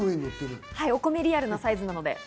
お米、リアルなサイズです。